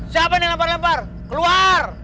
siapa ini lempar lebar keluar